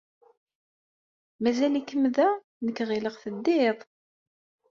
Mazal-ikem da? Nekk ɣileɣ teddid.